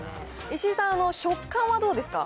石井さん、食感はどうですか？